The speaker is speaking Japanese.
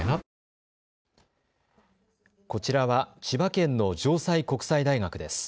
こちらは千葉県の城西国際大学です。